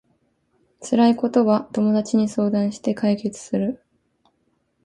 辛いことは友達に相談して解決する